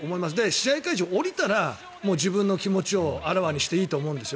試合会場、降りたら自分の気持ちをあらわにしていいと思うんですよ。